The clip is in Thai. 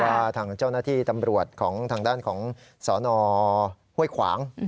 ทางเจ้าหน้าที่ตำรวจของทางด้านของสนห้วยขวาง